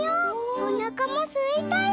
おなかもすいたよ」。